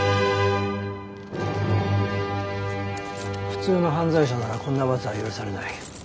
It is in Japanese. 普通の犯罪者ならこんな罰は許されない。